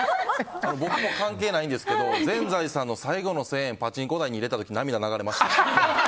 僕も関係ないんですけど全財産の最後の１０００円パチンコ台に入れた時涙流れました。